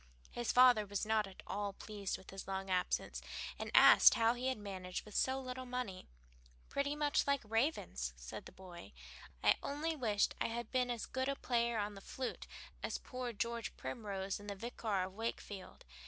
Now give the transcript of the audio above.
His father was not at all pleased with his long absence, and asked how he had managed with so little money. "Pretty much like the ravens," said the boy. "I only wished I had been as good a player on the flute as poor George Primrose in 'The Vicar of Wakefield.'